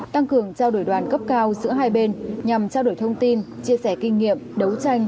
tăng cường trao đổi đoàn cấp cao giữa hai bên nhằm trao đổi thông tin chia sẻ kinh nghiệm đấu tranh